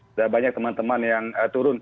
sudah banyak teman teman yang turun